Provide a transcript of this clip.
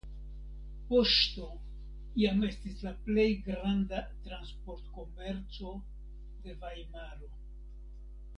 Poŝto iam estis la plej granda transportkomerco de Vajmaro.